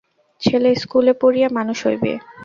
ছেলে স্কুলে পড়িয়া মানুষ হইবে।